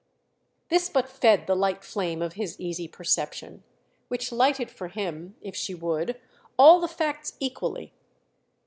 This but fed the light flame of his easy perception—which lighted for him, if she would, all the facts equally.